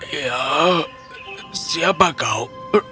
ya siapa kau